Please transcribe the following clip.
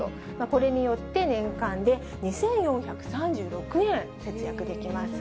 これによって、年間で２４３６円節約できます。